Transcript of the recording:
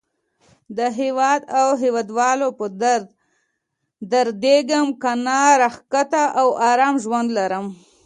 د هیواد او هیواد والو په درد دردېږم. کنه راحته او آرام ژوند لرم.